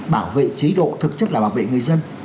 bảo vệ chế độ thực chất là bảo vệ người dân